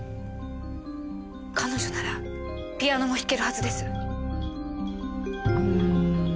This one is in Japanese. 彼女ならピアノも弾けるはずです。